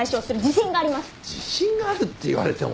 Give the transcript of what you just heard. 自信があるって言われてもさ。